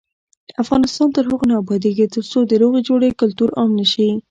افغانستان تر هغو نه ابادیږي، ترڅو د روغې جوړې کلتور عام نشي.